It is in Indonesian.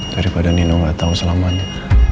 daripada nino gak tau selamanya